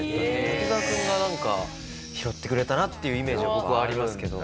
滝沢君が拾ってくれたなっていうイメージが僕はありますけど。